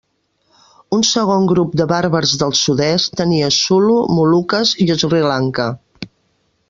Un segon grup de bàrbars del sud-est tenia Sulu, Moluques, i Sri Lanka.